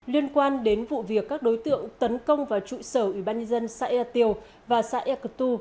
liên quan đến vụ việc các đối tượng tấn công vào trụ sở ubnd xã ea tiêu và xã ea cơ tu